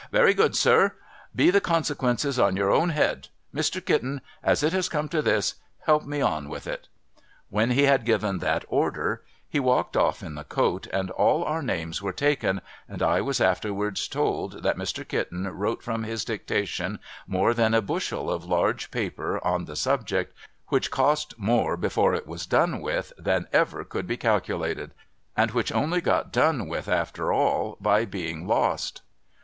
' Very good, sir. Be the consequences on your own head ! Mr. Kitten, as it has come to this, help me on with it.' When he had given that order, he walked off in the coat, and all our names were taken, and I was afterwards told that I\Ir. Kitten wrote from his dictation more than a bushel of large paper on the subject, which cost more before it was done with, than ever could be calculated, and which only got done with after all, by being lost.